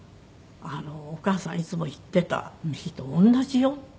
「お母さんいつも言ってた日と同じよ」って。